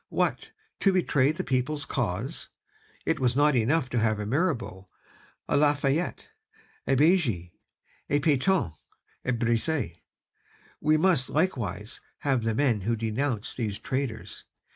What! to betray the people's cause, it was not enough to have a Mirabeau, a La Fayette, a Bailly, a Pétion, a Brissot? We must likewise have the men who denounced these traitors.